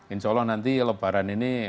insya allah nanti lebaran ini